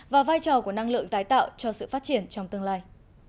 và vai trò của năng lượng tái tạo cho sự phát triển trong tương lai